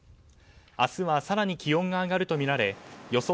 明日は更に気温が上がるとみられ予想